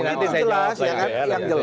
jadi yang jelas